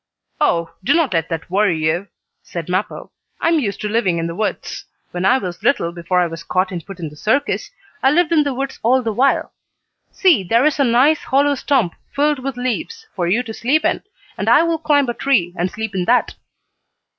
"Oh, do not let that worry you," said Mappo. "I am used to living in the woods. When I was little, before I was caught and put in the circus, I lived in the woods all the while. See, here is a nice hollow stump, filled with leaves, for you to sleep in, and I will climb a tree, and sleep in that."